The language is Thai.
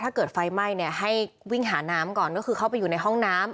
ถ้าเกิดไฟไหม้เนี่ยให้วิ่งหาน้ำก่อนก็คือเข้าไปอยู่ในห้องน้ำ